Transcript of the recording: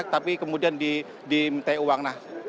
tapi kemudian diminta uang